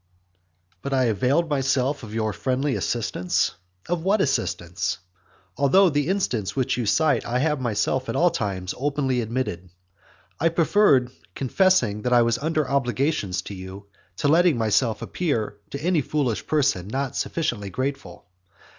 III. But I availed myself of your friendly assistance. Of what assistance? Although the instance which you cite I have myself at all times openly admitted. I preferred confessing that I was under obligations to you, to letting myself appear to any foolish person not sufficiently grateful.